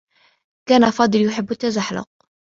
كان فاضل يحبّ التّزحلق.